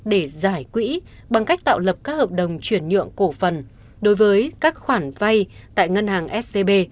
để giải quỹ bằng cách tạo lập các hợp đồng chuyển nhượng cổ phần đối với các khoản vay tại ngân hàng scb